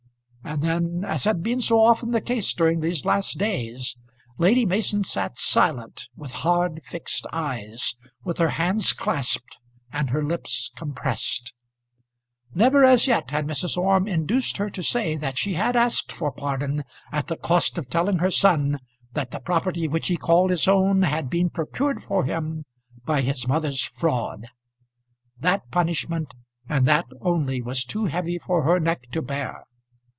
And then, as had been so often the case during these last days, Lady Mason sat silent, with hard, fixed eyes, with her hands clasped, and her lips compressed. Never as yet had Mrs. Orme induced her to say that she had asked for pardon at the cost of telling her son that the property which he called his own had been procured for him by his mother's fraud. That punishment, and that only, was too heavy for her neck to bear.